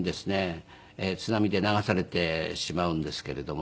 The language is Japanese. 津波で流されてしまうんですけれども。